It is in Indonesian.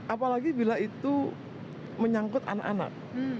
apalagi bila itu menyangkut anak anak